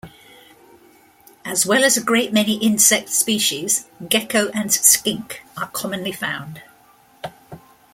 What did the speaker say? As well as a great many insect species, gecko and skink are commonly found.